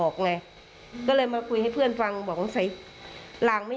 การบอกเหตุของเขาก็ได้